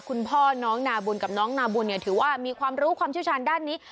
คุณพ่อน้องนาบุญกับน้องนาบุญเนี่ยถือว่ามีความรู้ความเชี่ยวชาญด้านนี้